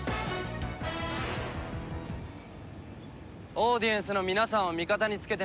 オーディエンスの皆さんを味方につけて満足か？